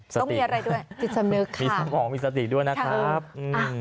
ต้องมีอะไรด้วยมีสมองมีสติด้วยนะครับจิตสำนึกค่ะ